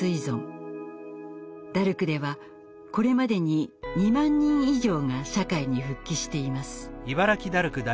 ダルクではこれまでに２万人以上が社会に復帰しています。